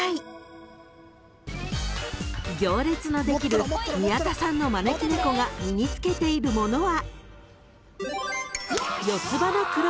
［行列のできる宮田さんの招き猫が身につけているものは］